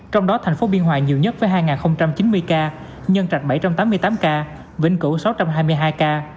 trong đó thành phố biên hòa nhiều nhất với hai chín mươi ca nhân trạch bảy trăm tám mươi tám ca vĩnh cửu sáu trăm hai mươi hai ca